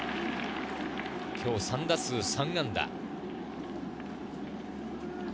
今日３打数３安打。